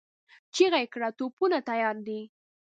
چيغه يې کړه! توپونه تيار دي؟